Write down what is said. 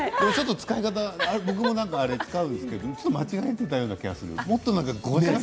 使い方、僕も使うんだけど使い方を間違えていたような気がする。